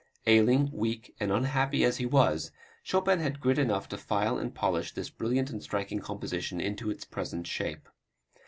Ailing, weak and unhappy as he was, Chopin had grit enough to file and polish this brilliant and striking composition into its present shape.